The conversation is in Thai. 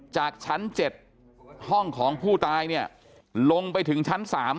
จากชั้น๗ห้องของผู้ตายเนี่ยลงไปถึงชั้น๓